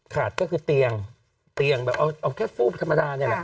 ขาดก็คือเตียงเอาแค่ฟูปธรรมดาเนี่ยแหละ